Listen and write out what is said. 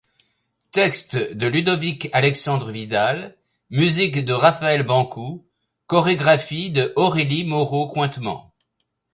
Textes de Ludovic-Alexandre Vidal, musiques de Raphaël Bancou, chorégraphies de Aurélie Moreau-Cointement.